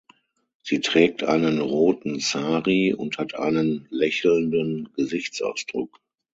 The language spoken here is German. Sie trägt einen roten Sari und hat einen lächelnden Gesichtsausdruck.